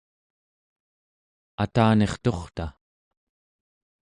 atanirturta